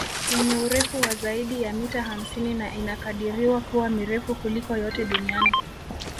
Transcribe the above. Yenye urefu wa zaidi ya mita hamsini na inakadiriwa kuwa mirefu kuliko yote duniani